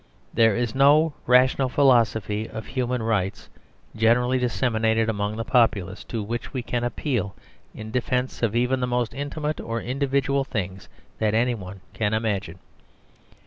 There is no rational philosophy of human rights generally disseminated among the populace, to which we can appeal in defence even of the most intimate or individual things that anybody can imagine.